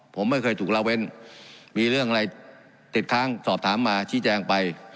ผมไม่เคยถูกละเว้นมีเรื่องอะไรติดค้างสอบถามมาชี้แจงไป